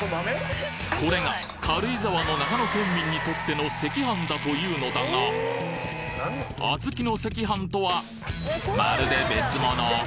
これが軽井沢の長野県民にとっての赤飯だというのだが小豆の赤飯とはまるで別物